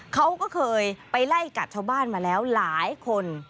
เขาก็เคยไปไล่กัดชาวบ้านมาแล้วหลายคน